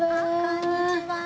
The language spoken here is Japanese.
こんにちは。